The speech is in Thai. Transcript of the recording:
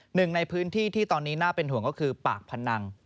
หนึ่งในพื้นที่ที่ตอนนี้น่าเป็นห่วงก็คือปากพนัง